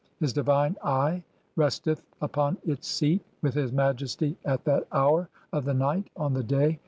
His divine "Eye resteth upon its seat with His Majesty at that hour (5) "of the night, on the day